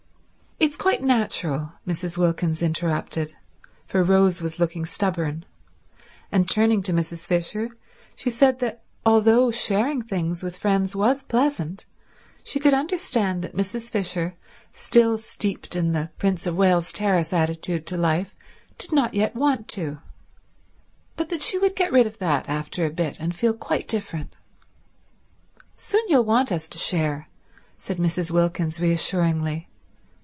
"It's quite natural," Mrs. Wilkins interrupted, for Rose was looking stubborn; and turning to Mrs. Fisher she said that although sharing things with friends was pleasant she could understand that Mrs. Fisher, still steeped in the Prince of Wales Terrace attitude to life, did not yet want to, but that she would get rid of that after a bit and feel quite different. "Soon you'll want us to share," said Mrs. Wilkins reassuringly.